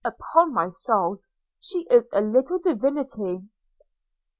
upon my soul, she is a little divinity!'